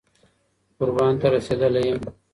قربان ته رسېدلى يــم